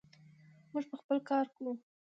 موږ به خپل کار کوو.